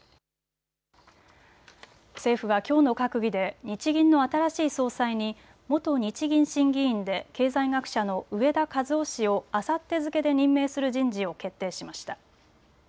政府はきょうの閣議で日銀の新しい総裁に元日銀審議委員で経済学者の植田和男氏をあさって付けで任命する人事を決定しました。